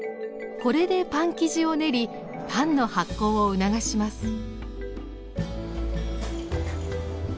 これでパン生地を練りパンの発酵を促します。